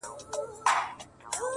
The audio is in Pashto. څه مسافره یمه خير دی ته مي ياد يې خو.